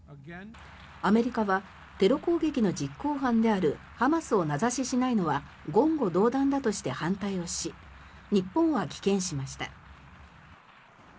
アメリカはテロ攻撃の実行犯であるハマスを名指ししないのは言語道断だとして反対をし日本は棄権しました。